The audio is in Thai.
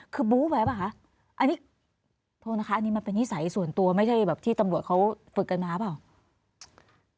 คือบู๊ไปป่ะคะอันนี้โทษนะคะอันนี้มันเป็นนิสัยส่วนตัวไม่ใช่แบบที่ตำรวจเขาฝึกกันมาเปล่า